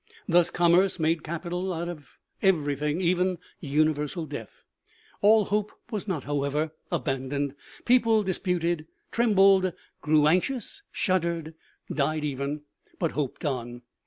Thus commerce made capital out of everything, even universal death. All hope was not, however, abandoned. People disputed, trembled, grew anxious, shuddered, died even but hoped on.